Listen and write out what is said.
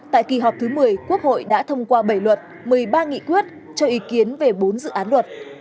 tại kỳ họp thứ một mươi quốc hội đã thông qua bảy luật một mươi ba nghị quyết cho ý kiến về bốn dự án luật